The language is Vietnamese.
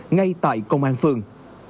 ngay tại công an phường